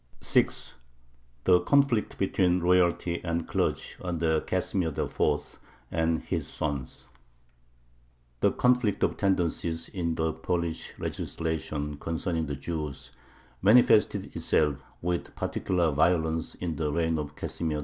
6. THE CONFLICT BETWEEN ROYALTY AND CLERGY UNDER CASIMIR IV. AND HIS SONS The conflict of tendencies in the Polish legislation concerning the Jews manifested itself with particular violence in the reign of Casimir IV.